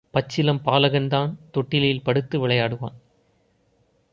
பச்சிளம் பாலகன்தான் தொட்டிலில் படுத்து விளையாடுவான்.